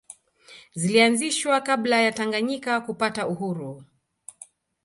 Zilianzishwa kabla ya Tanganyika kupata uhuru